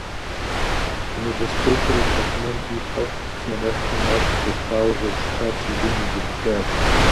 Фонедоскопыр и тхьэкӀумэм Ӏуилъхьэу си анэшхуэм ар къеплъауэ зэрыщытар си гум изубыдащ.